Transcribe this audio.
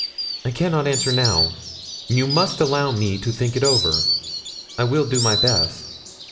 'I cannot answer now you must allow me to think it over I will do my best.